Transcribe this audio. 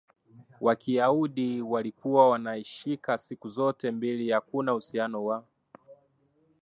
wa Kiyahudi walikuwa wanashika siku zote mbili Hakuna uhusiano wa